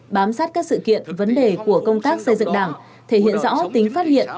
bám sát các sự kiện vấn đề của công tác xây dựng đảng thể hiện rõ tính phát hiện